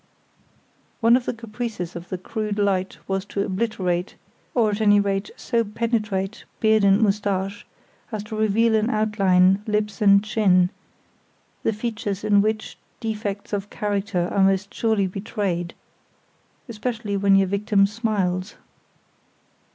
One of the caprices of the crude light was to obliterate, or at any rate so penetrate, beard and moustache, as to reveal in outline lips and chin, the features in which defects of character are most surely betrayed, especially when your victim smiles.